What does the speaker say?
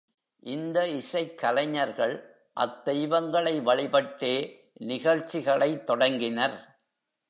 இந்த இசைக் கலைஞர்கள் அத்தெய்வங்களை வழிபட்டே நிகழ்ச்சிகளைத் தொடங்கினர்.